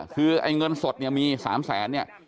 คือไอ้เงินสดเนี่ยมี๓แสนเนี่ย